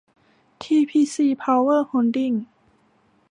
ทีพีซี เพาเวอร์โฮลดิ้ง